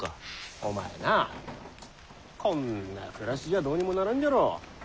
お前なこんな暮らしじゃどうにもならんじゃろう？